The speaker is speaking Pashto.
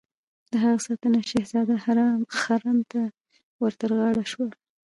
د هغه ساتنه شهزاده خرم ته ور تر غاړه شوه.